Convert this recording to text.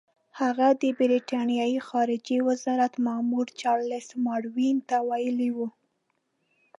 هغه د برټانیې خارجه وزارت مامور چارلس ماروین ته ویلي وو.